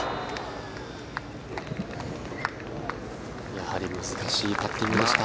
やはり難しいパッティングでした。